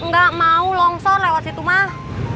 nggak mau longsor lewat situ mah